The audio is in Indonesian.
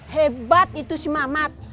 hebat itu si mamat